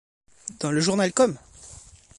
Dans le journal com!